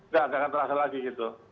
tidak akan terasa lagi gitu